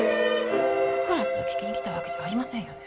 コーラスを聴きに来たわけじゃありませんよね？